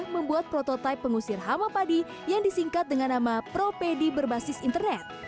membuat prototipe pengusir hama padi yang disingkat dengan nama propedi berbasis internet